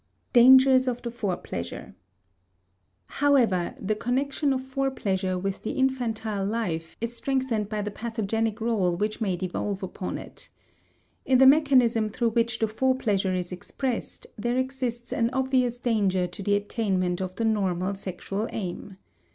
*Dangers of the Fore pleasure.* However the connection of fore pleasure with the infantile life is strengthened by the pathogenic rôle which may devolve upon it. In the mechanism through which the fore pleasure is expressed there exists an obvious danger to the attainment of the normal sexual aim.